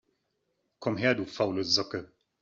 Komm her, du faule Socke!